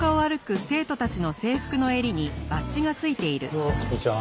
どうもこんにちは。